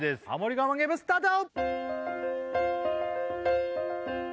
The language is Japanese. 我慢ゲームスタート